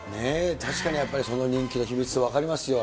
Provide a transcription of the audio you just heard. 確かにやっぱり人気の秘密分かりますよ。